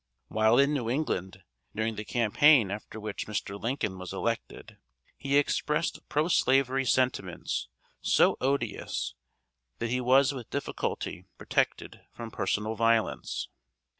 While in New England, during the campaign after which Mr. Lincoln was elected, he expressed pro slavery sentiments so odious that he was with difficulty protected from personal violence.